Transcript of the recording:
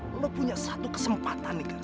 nah lo punya satu kesempatan nih gar